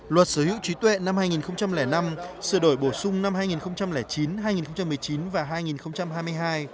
luật sở hữu trí tuệ năm hai nghìn năm sửa đổi bổ sung năm hai nghìn chín hai nghìn một mươi chín và hai nghìn hai mươi hai luật chuyển giao công nghệ năm hai nghìn sáu